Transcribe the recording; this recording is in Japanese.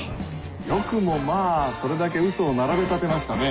よくもまぁそれだけウソを並べ立てましたね。